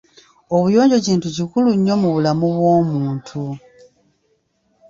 Obuyonjo kintu kikulu nnyo mu bulamu bw'omuntu.